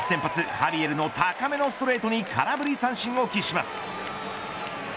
ハビエルの高めのストレートに空振り三振を喫します。